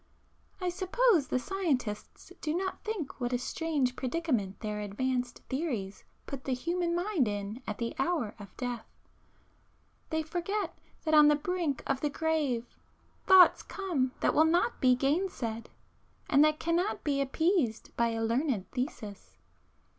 I suppose the scientists do not think what a strange predicament their advanced theories put the human mind in at the hour of death. They forget that on the brink of the grave, thoughts come that will not be gainsaid, and that cannot be appeased by a learned thesis....